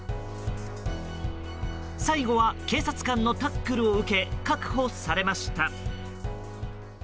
最後は警察官のタックルを受け確保されました。